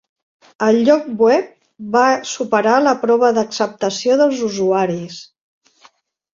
El lloc web va superar la prova d'acceptació dels usuaris.